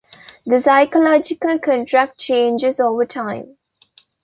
The psychological contract changes over time.